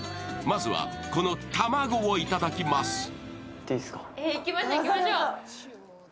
まずは、この卵を頂きます。